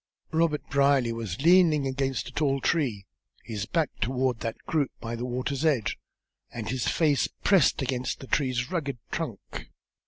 Robert Brierly was leaning against a tall tree, his back toward that group by the water's edge, and his face pressed against the tree's rugged trunk.